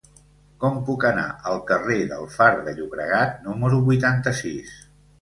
Com puc anar al carrer del Far de Llobregat número vuitanta-sis?